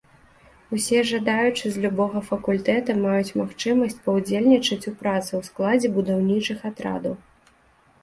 Усе жадаючыя з любога факультэта маюць магчымасць паўдзельнічаць у працы ў складзе будаўнічых атрадаў.